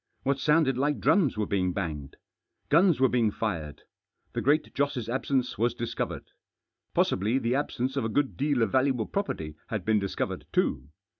What sounded like drums were being banged. Guns were being fired. The Great Joss' absence was discovered. Possibly the absence of a good deal of valuable pro perty had been discovered too.